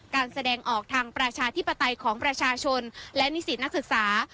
การแสดงออกทางประชาธิปไตยของประชาชนและนิสิตนักศึกษา